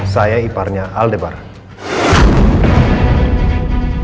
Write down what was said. saya iparnya aldebaran